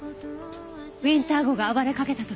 ウィンター号が暴れかけた時。